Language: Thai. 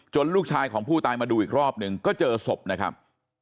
ลูกชายของผู้ตายมาดูอีกรอบหนึ่งก็เจอศพนะครับ